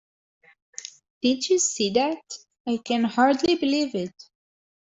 Did you see that? I can hardly believe it!